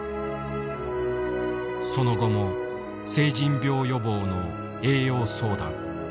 その後も成人病予防の栄養相談。